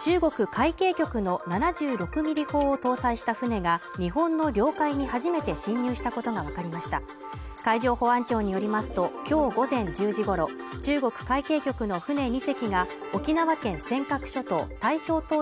中国海警局の７６ミリ砲を搭載した船が日本の領海に初めて侵入したことが分かりました海上保安庁によりますときょう午前１０時ごろ中国海警局の船２隻が沖縄県尖閣諸島